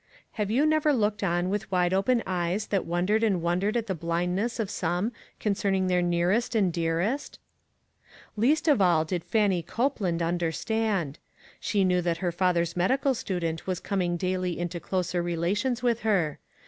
Have you never looked on with wide open eyes that wondered and wondered at the blindness of some concerning their nearest and dearest? Least of all did Fannie Copeland under stand. She knew that her father's medical ONE. COMMONPLACE DAY. student was coming daily into closer rela tions with her.